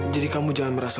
jadi kamu jangan merasa